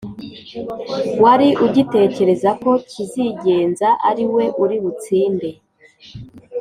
Wari ugitekereza ko kizigenza ariwe uri butsinde